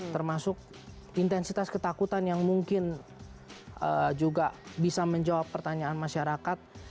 termasuk intensitas ketakutan yang mungkin juga bisa menjawab pertanyaan masyarakat